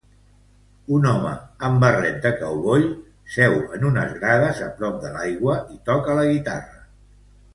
Un home amb barret de cowboy seu en unes grades a prop de l'aigua i toca la guitarra